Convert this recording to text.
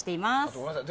ごめんなさい。